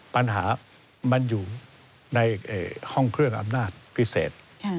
ปัญหามันอยู่ในห้องเครื่องอำนาจพิเศษ